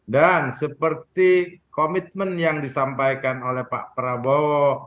dan seperti komitmen yang disampaikan oleh pak prabowo